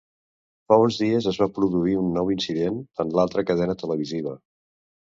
Fa uns dies es va produir un nou incident en l'altra cadena televisiva.